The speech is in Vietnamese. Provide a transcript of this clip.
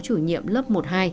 chủ nhiệm lớp một hai